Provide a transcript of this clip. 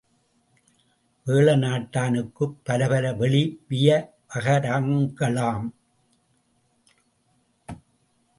வேழநாட்டானுக்குப் பல பல வெளி வியவகாரங்களாம்!